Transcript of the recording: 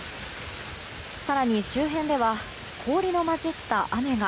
更に、周辺では氷の交じった雨が。